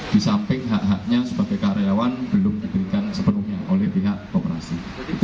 di samping hak haknya sebagai karyawan belum diberikan sepenuhnya oleh pihak operasi